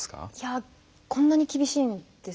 こんなに厳しいんですね。